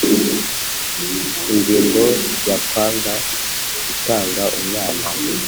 Ingingo ya Kwanga gutanga umwana